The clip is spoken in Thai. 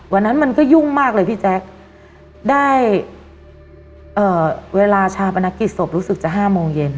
วันนั้นมันก็ยุ่งมากเลยพี่แจ๊คได้เวลาชาปนกิจศพรู้สึกจะ๕โมงเย็น